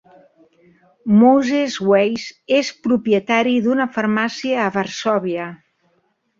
Moses Weiss és propietari d'una farmàcia a Varsòvia.